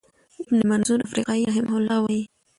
ابن منظور افریقایی رحمه الله وایی،